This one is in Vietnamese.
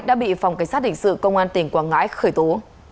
đã bị phòng cảnh sát hình sự công an tỉnh quảng ngãi khởi tố